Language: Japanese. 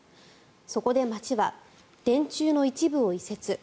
そこで町は電柱の一部を移設。